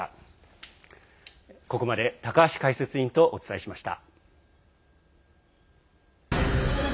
ここまで高橋解説委員とお伝えしました。